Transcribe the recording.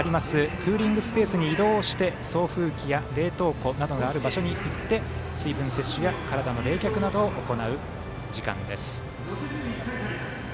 クーリングスペースに移動して送風機、冷凍庫がある場所などに行って水分摂取や体の冷却などを行う時間です。